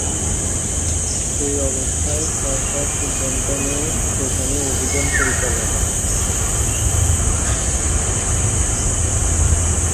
এ অবস্থায় সরকার সিদ্ধান্ত নেয় সেখানে অভিযান পরিচালনার।